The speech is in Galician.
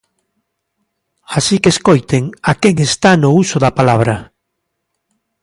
Así que escoiten a quen está no uso da palabra.